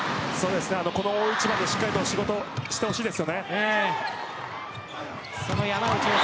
この大一番できちんと仕事してほしいです。